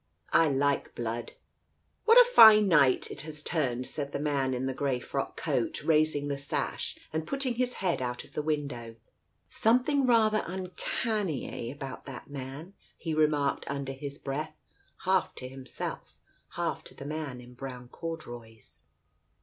"I like blood." " What a fine night it has turned !" said the man in the grey frock coat, raising the sash and putting his head out of the window. ... "Something rather uncanny, eh, about that man ?" he remarked under his breath, half to himself, half to the man in brown corduroys.